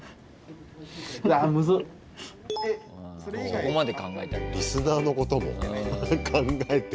そこまで考えて。